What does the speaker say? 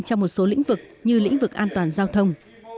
trong một số lĩnh vực như lĩnh vực an toàn giao thông